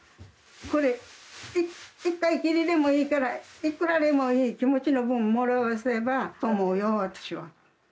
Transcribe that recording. これ一回きりでもいいからいくらでもいい気持ちの分もらわせばと思うよ私は。